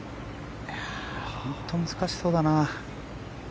本当難しそうだな。